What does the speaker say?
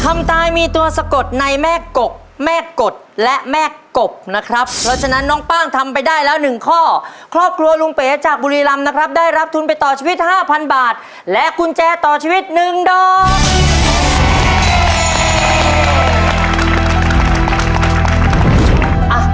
ตายมีตัวสะกดในแม่กกแม่กดและแม่กบนะครับเพราะฉะนั้นน้องป้างทำไปได้แล้วหนึ่งข้อครอบครัวลุงเป๋จากบุรีรำนะครับได้รับทุนไปต่อชีวิตห้าพันบาทและกุญแจต่อชีวิตหนึ่งดอก